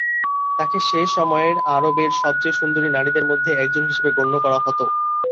তাকে সে সময়ের আরবের সবচেয়ে সুন্দরী নারীদের মধ্যে একজন হিসেবে গণ্য করা হতো।